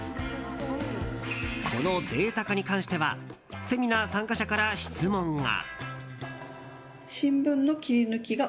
このデータ化に関してはセミナー参加者から質問が。